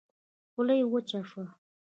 خوله يې وچه شوه.